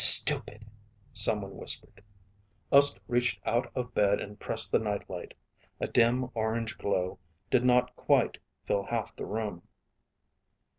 "Hey, stupid," someone whispered. Uske reached out of bed and pressed the night light. A dim orange glow did not quite fill half the room.